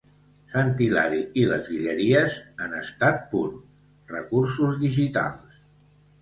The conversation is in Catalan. Sant Hilari i les Guilleries en estat pur: recursos digitals.